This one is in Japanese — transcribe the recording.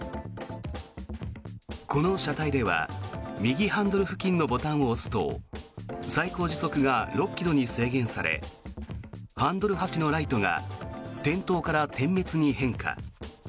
この車体では右ハンドル付近のボタンを押すと最高時速が６ｋｍに制限されハンドル端のライトが点灯から点滅に変化。